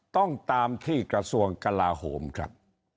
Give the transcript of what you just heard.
ต้องตามที่กระทรวงกลาโหมครับ